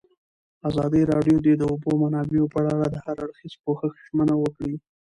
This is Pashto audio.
ازادي راډیو د د اوبو منابع په اړه د هر اړخیز پوښښ ژمنه کړې.